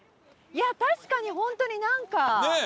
確かにホントになんか。ねえ。